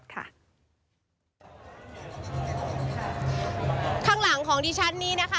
ข้างหลังของดิฉันนี้นะคะ